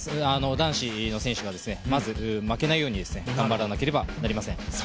男子の選手がまず負けないように頑張らなければなりません。